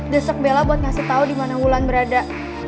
desek bella buat ngasih tau dimana wulan berada